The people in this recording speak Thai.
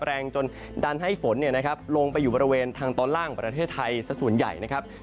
แรงจนดันให้ฝนลงไปอยู่บริเวณทางตอนล่างประเทศไทยสักส่วนใหญ่นะครับ